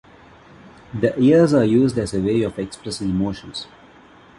The ears are used as a way of expressing emotions.